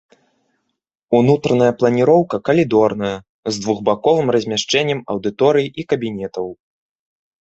Унутраная планіроўка калідорная, з двухбаковым размяшчэннем аўдыторый і кабінетаў.